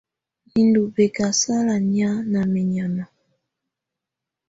Mɛ̀ ndù bɛ̀kasala nɛ̀á ná mɛnyàma.